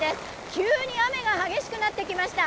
急に雨が激しくなってきました。